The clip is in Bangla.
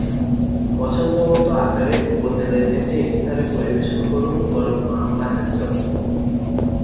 পছন্দমতো আকারে ডুবো-তেলে ভেজে ইফতারে পরিবেশন করুন গরম গরম ভাতের চপ।